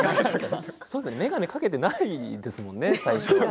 そうですよね最初眼鏡、掛けてないですもんね。